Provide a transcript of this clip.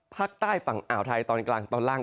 ภาคใต้ฝั่งอ่าวไทยตอนกลางตอนล่าง